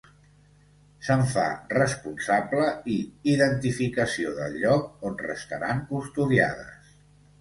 Se'n fa responsable i identificació del lloc on restaran custodiades.